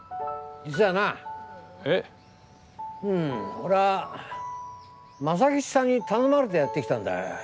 俺は正吉さんに頼まれてやって来たんだよ。